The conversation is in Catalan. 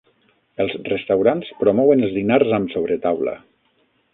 Els restaurants promouen els dinars amb sobretaula.